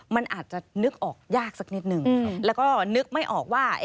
มันอาจจะนึกออกยากสักนิดนึงแล้วก็นึกไม่ออกว่า